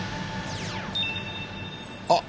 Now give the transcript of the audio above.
あっ！